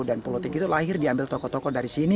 dan politik itu lahir diambil tokoh tokoh dari sini